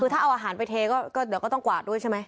คือถ้าเอาอาหารไปเทก็เดี๋ยวก็ต้องกวาดด้วยใช่ไหม